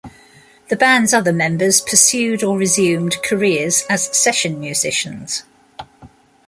The band's other members pursued or resumed careers as session musicians.